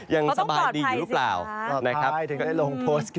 ยังสบายดีหรือเปล่านะครับเพราะต้องปลอดภัยสิครับ